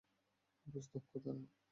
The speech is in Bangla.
বেশ দক্ষ তারা।